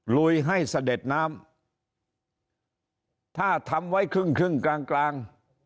ลุยให้เสด็จน้ำถ้าทำไว้ครึ่งครึ่งกลางกลาง